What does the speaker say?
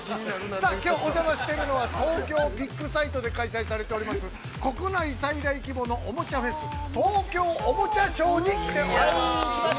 さあきょうお邪魔しているのは東京ビッグサイトで開催されております、国内最大規模の、おもちゃフェス東京おもちゃショーに来ております。